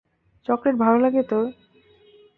Chocolate ভালো লাগে তোর?